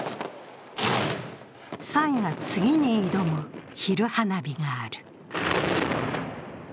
蔡が次に挑む昼花火がある。